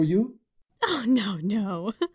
Oh, no, no !